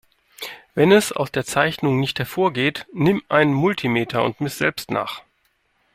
Wenn es aus der Zeichnung nicht hervorgeht, nimm ein Multimeter und miss selbst nach.